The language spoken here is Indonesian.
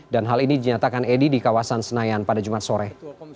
dan hal ini dinyatakan edi di kawasan senayan pada jumat sore